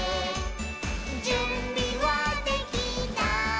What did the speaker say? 「じゅんびはできた？